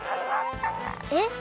えっ？